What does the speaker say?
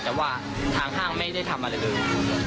แต่ว่าทางห้างไม่ได้ทำอะไรเลย